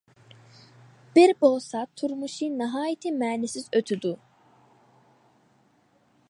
بىر بولسا تۇرمۇشى ناھايىتى مەنىسىز ئۆتىدۇ.